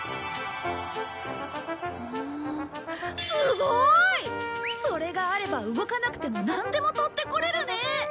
すごい！それがあれば動かなくてもなんでも取ってこれるね！